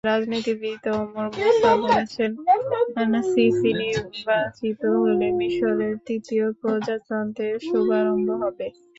রাজনীতিবিদ Amr Moussa বলেছেন, Sisi নির্বাচিত হলে মিসরের তৃতীয় প্রজাতন্ত্রের শুভারম্ভ হবে।